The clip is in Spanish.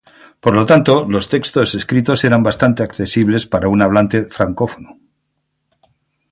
Por lo tanto, los textos escritos eran bastante accesibles para un hablante francófono.